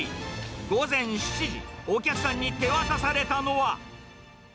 午前７時、お客さんに手渡されたのは。